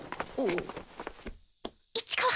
市川